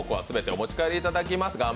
すべてお持ち帰りいただきます。